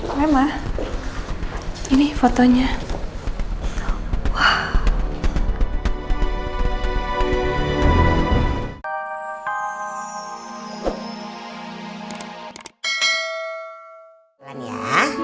sarah ini fotonya